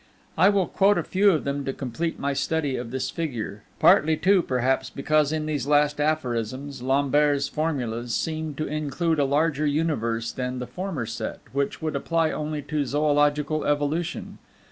I will quote a few of them to complete my study of this figure; partly, too, perhaps, because, in these last aphorisms, Lambert's formulas seem to include a larger universe than the former set, which would apply only to zoological evolution.